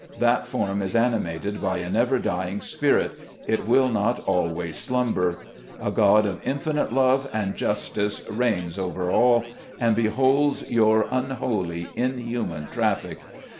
that form is animated by a never dying spirit ! it will not always slumber ! A God of infinite love and justice reigns over all, and beholds your unholy, inhuman traffic!